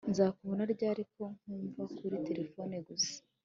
…Nzakubona ryari ko nkumva kuri telefone gusa